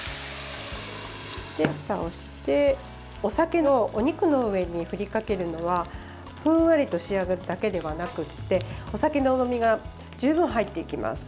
ふたをして、お酒をお肉の上に振り掛けるのはふんわりと仕上がるだけではなくてお酒のうまみが十分入っていきます。